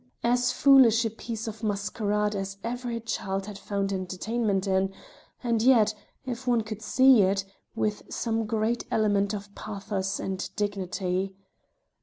As foolish a piece of masquerade as ever a child had found entertainment in, and yet, if one could see it, with some great element of pathos and of dignity.